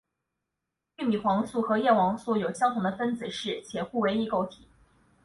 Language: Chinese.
玉米黄素和叶黄素有相同的分子式且互为异构体。